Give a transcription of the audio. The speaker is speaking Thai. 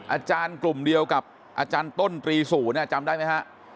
อาจารย์กลุ่มเดียวกับอาจารย์ต้นตรีศูนย์จำได้ไหมฮะ